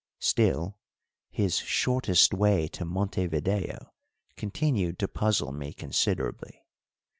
Still, his "shortest way" to Montevideo continued to puzzle me considerably.